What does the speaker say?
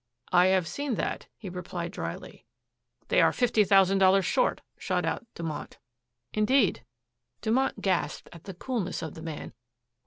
"I have seen that," he replied dryly. "They are fifty thousand dollars short," shot out Dumont. "Indeed?" Dumont gasped at the coolness of the man.